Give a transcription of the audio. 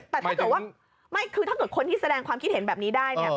แต่ถ้าเกิดว่าไม่คือถ้าเกิดคนที่แสดงความคิดเห็นแบบนี้ได้เนี่ย